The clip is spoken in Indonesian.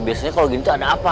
biasanya kalau gini tuh ada apa